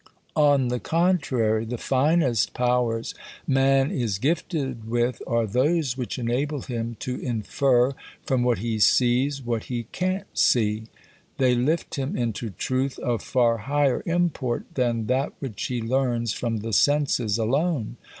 On the contrary, the finest powers man is gifted with are those which enable him to infer from what he sees what he can't see. They lift him into truth of far higher import than that which he learns from the senses alone.